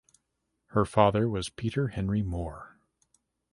Her father was Peter Henry Moore.